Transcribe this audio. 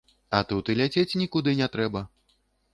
А тут і ляцець нікуды не трэба.